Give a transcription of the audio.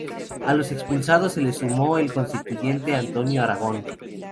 A los expulsados se le sumó el constituyente Antonio Aragón.